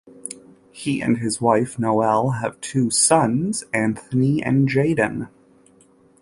He and his wife, Noelle, have two sons, Anthony and Jayden.